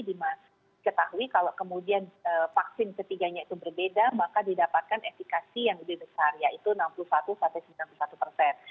dimana diketahui kalau kemudian vaksin ketiganya itu berbeda maka didapatkan efekasi yang lebih besar yaitu enam puluh satu sampai sembilan puluh satu persen